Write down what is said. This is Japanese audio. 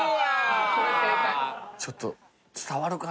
それ正解ちょっと伝わるかな